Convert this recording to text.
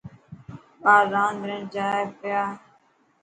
ٻار راند رهڻ جائي پيا.